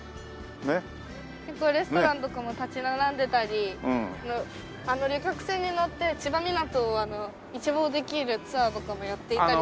結構レストランとかも立ち並んでたりあの旅客船に乗って千葉みなとを一望できるツアーとかもやっていたりするんです。